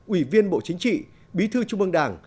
ủy viên bộ chính trị bí thư trung ương đảng